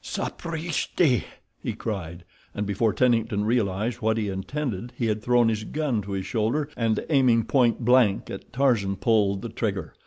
"Sapristi!" he cried, and before Tennington realized what he intended he had thrown his gun to his shoulder, and aiming point blank at Tarzan pulled the trigger.